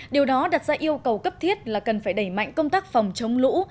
điều đó đặt ra yêu cầu cấp thiết là cần phải đẩy mạnh công tác phòng chống lũ